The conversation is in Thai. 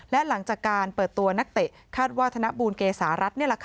และหลังจากการเปิดตัวนักเตะคาดว่าธนบูลเกษารัฐ